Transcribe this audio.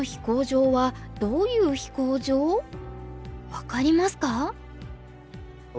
分かりますか？